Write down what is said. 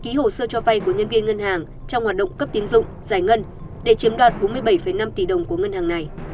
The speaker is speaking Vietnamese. ký hồ sơ cho vay của nhân viên ngân hàng trong hoạt động cấp tiến dụng giải ngân để chiếm đoạt bốn mươi bảy năm tỷ đồng của ngân hàng này